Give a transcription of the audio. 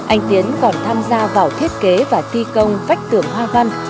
anh tiến còn tham gia vào thiết kế và ti công vách tưởng hoa văn